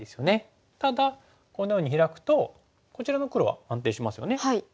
ただこのようにヒラくとこちらの黒は安定しますよね。